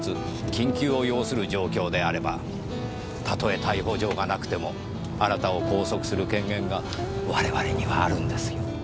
緊急を要する状況であればたとえ逮捕状がなくてもあなたを拘束する権限が我々にはあるんですよ。